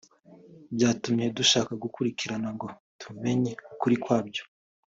byatumye dushaka gukurikirana ngo tumenye ukuri kwabyo